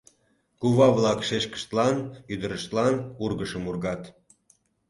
Кува-влак шешкыштлан, ӱдырыштлан ургышым ургат.